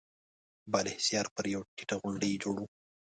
بالا حصار پر يوه ټيټه غونډۍ جوړ و.